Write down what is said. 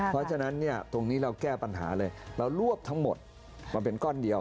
เพราะฉะนั้นเนี่ยตรงนี้เราแก้ปัญหาเลยเรารวบทั้งหมดมาเป็นก้อนเดียว